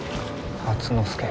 初之助。